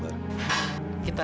tengah ah anche nak lihat